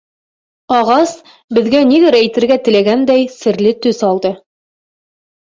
Ағас, беҙгә ниҙер әйтергә теләгәндәй, серле төҫ алды.